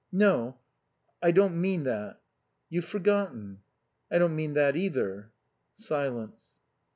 "No, I don't mean that." "You've forgotten." "I don't mean that, either." Silence.